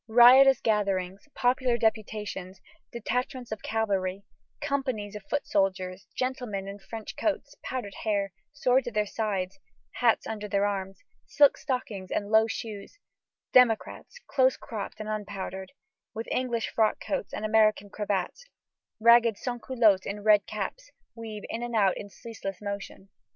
Riotous gatherings, popular deputations, detachments of cavalry, companies of foot soldiers; gentlemen in French coats, powdered hair, swords at their sides, hats under their arms, silk stockings and low shoes; democrats close cropped and unpowdered, with English frock coats and American cravats; ragged sans culottes in red caps, weave in and out in ceaseless motion.